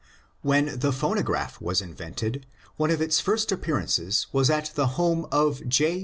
When the phonograph was invented, one of its first appear ances was at the house of J.